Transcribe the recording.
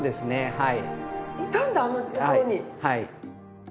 はい。